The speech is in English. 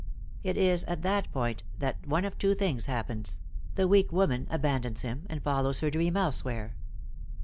It is at that point that one of two things happens: the weak woman abandons him, and follows her dream elsewhere.